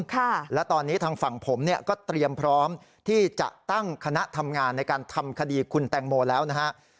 ค่ะและตอนนี้ทางฝั่งผมเนี่ยก็เตรียมพร้อมที่จะตั้งคณะทำงานในการทำคดีคุณแตงโมแล้วนะฮะ